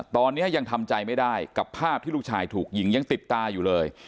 ตอนนี้ยังทำใจไม่ได้กับภาพที่ลูกชายถูกยิงยังติดตาอยู่เลย